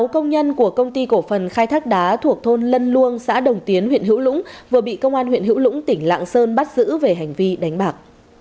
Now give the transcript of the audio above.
sáu công nhân của công ty cổ phần khai thác đá thuộc thôn lân luông xã đồng tiến huyện hữu lũng vừa bị công an huyện hữu lũng tỉnh lạng sơn bắt giữ về hành vi đánh bạc